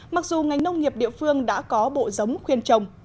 mặc dù ngành nông nghiệp địa phương đã có bộ giống khuyên trồng